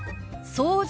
「掃除」。